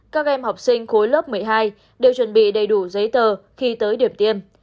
các em học sinh khối lớp một mươi hai đều chuẩn bị đầy đủ giấy tờ khi tới điểm tiêm